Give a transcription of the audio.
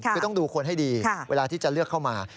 คือต้องดูคนให้ดีเวลาที่จะเลือกเข้ามา